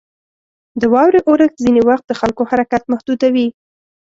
• د واورې اورښت ځینې وخت د خلکو حرکت محدودوي.